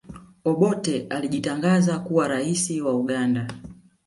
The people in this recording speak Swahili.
obote alijitangaza kuwa raisi wa uganda